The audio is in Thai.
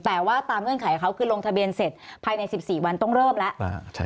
แต่ว่าตามเงื่อนไขของเขาคือลงทะเบียนเสร็จภายใน๑๔วันต้องเริ่มแล้ว